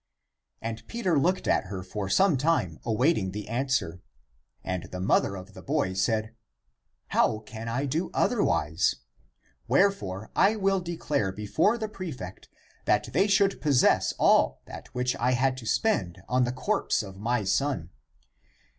And Peter looked at her for some time awaiting the answer. And the mother of the boy said, *' How can I do otherwise ? Wherefore I will declare before the prefect that they should possess all that which I had to spend on the corpse of my son."